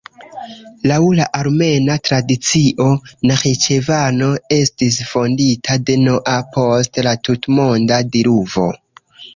Laŭ la armena tradicio, Naĥiĉevano estis fondita de Noa post la tutmonda diluvo.